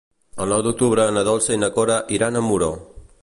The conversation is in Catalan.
El nou d'octubre na Dolça i na Cora iran a Muro.